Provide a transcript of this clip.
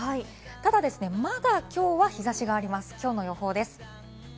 ただ、まだ今日は日差しがあります、今日の予報です。